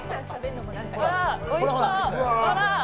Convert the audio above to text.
ほら、おいしそう。